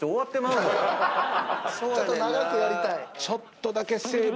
ちょっとだけ。